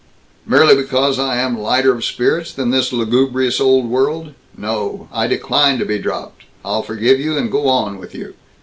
"Merely because I am lighter of spirits than this lugubrious old world? No! I decline to be dropped. I'll forgive you and go on with you.